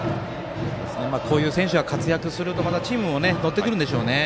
こういう選手が活躍するとチームも乗ってくるんでしょうね。